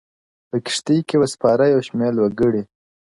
په کښتۍ کي وه سپاره یو شمېر وګړي -